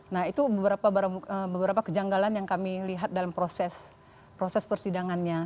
nah itu beberapa kejanggalan yang kami lihat dalam proses persidangannya